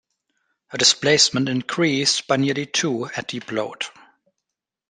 Her displacement increased by nearly to at deep load.